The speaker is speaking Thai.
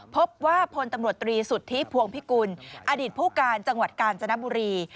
พบว่าพลตำรวจตรีสุทธิพวงพิกุลอดีตผู้การจังหวัดกาญจนบุรี